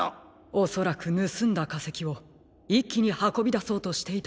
おそらくぬすんだかせきをいっきにはこびだそうとしていたのでしょう。